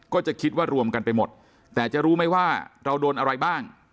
ก็จะคิดว่ารวมกันไปหมดแต่จะรู้ไหมว่าเราโดนอะไรบ้าง